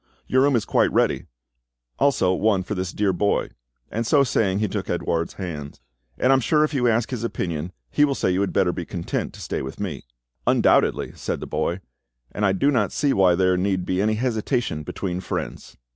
Your room is quite ready, also one for this dear boy," and so saying he took Edouard's hand; "and I am sure if you ask his opinion, he will say you had better be content to stay with me." "Undoubtedly," said the boy; "and I do not see why there need be any hesitation between friends."